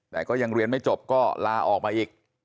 แต่ก็ยังเรียนไม่จบก็ลาออกมาอีก